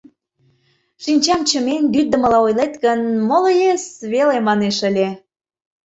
«Шинчам чымен, лӱддымыла ойлет гын, «Молоес!» веле манеш ыле...